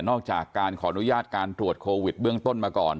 ออกจากการขออนุญาตการตรวจโควิดเบื้องต้นมาก่อน